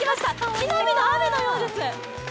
木の実の雨のようです。